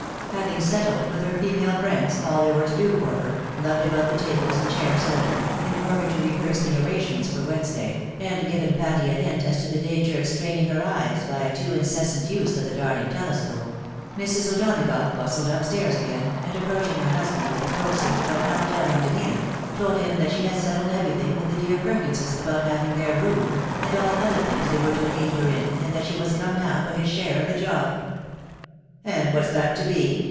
Having settled with their female friends all they were to do for her, lugged about the tables and chairs a httle, in order to rehearse the arrangements for Wednesday, and given Patty a hint as to the danger of straining her eyes by a too incessant use of the darling telescope, Mrs. O'Donagough bustled up stairs again, and approaching her husband with a coaxing, but not doubting demeanour, told him that she had settled every thing with the dear Perkinses about having their room, and all other things they were to aid her in, and that she was come now for his shaxe of the job. " And what's that to be